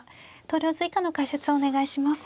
投了図以下の解説をお願いします。